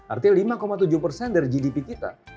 artinya lima tujuh persen dari gdp kita